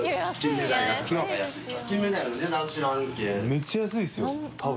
めっちゃ安いですよ多分。